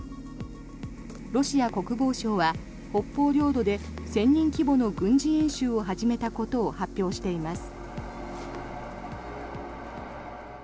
ロシア国防省は北方領土で１０００人規模の軍事演習を始めたことを発表しています。